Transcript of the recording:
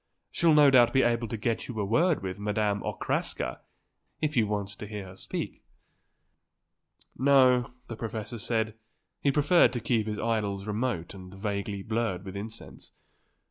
She'll no doubt be able to get you a word with Madame Okraska, if you want to hear her speak." No, the professor said, he preferred to keep his idols remote and vaguely blurred with incense.